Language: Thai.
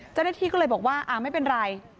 เจ้าหน้าที่ก็เลยบอกว่าไม่เป็นไร